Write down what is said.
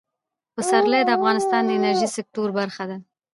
پسرلی د افغانستان د انرژۍ سکتور برخه ده.